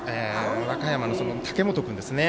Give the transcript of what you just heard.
和歌山の武元君ですね